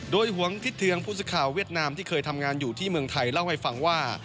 โดยหวงทิศเทืองผู้สื่อข่าวเวียดนามที่เคยทำงานอยู่ที่เมืองไทยเล่าให้ฟังว่า